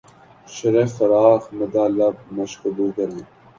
شرح فراق مدح لب مشکبو کریں